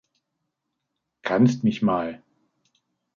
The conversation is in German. Kannst mich mal.